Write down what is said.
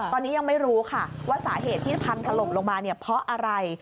ตอนนี้ยังไม่รู้ค่ะว่าสาเหตุที่พังถล่มลงมาเนี่ยเพราะอะไร